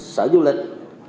xã du lịch